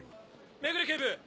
目暮警部！